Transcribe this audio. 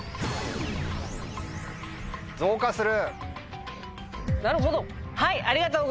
「増加する」。